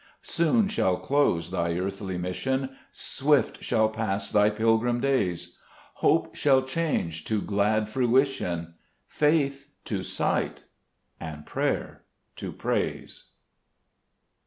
Soon shall close thy earthly mission ; Swift shall pass thy pilgrim days ; Hope soon change to glad fruition, Faith to sight, and prayer to praise.